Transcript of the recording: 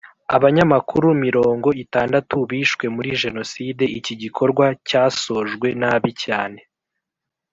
Abanyamakuru mirongo itandatu bishwe muri jenoside iki gikorwa cyasojwe nabi cyane